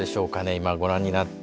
今ご覧になって。